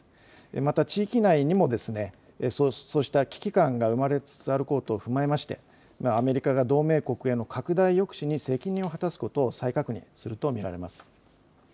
また地域内にも、そうした危機感が生まれつつあることを踏まえましてアメリカが同盟国への拡大抑止に責任を果たすことを再確認すると見られます。